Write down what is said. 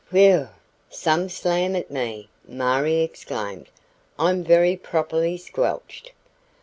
"Whew! some slam at me," Marie exclaimed. "I'm very properly squelched."